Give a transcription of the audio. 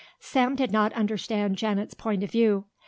Sam did not understand Janet's point of view.